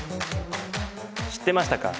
知ってましたか？